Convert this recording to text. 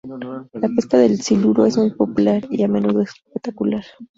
La pesca del siluro es muy popular y a menudo espectacular.